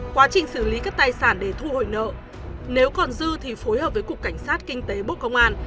quá trình xử lý các tài sản để thu hồi nợ nếu còn dư thì phối hợp với cục cảnh sát kinh tế bộ công an